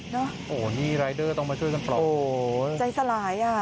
โอ้นี่รายเดอร์ต้องมาช่วยกันปลอบโอ้โหใจสลายอ่ะ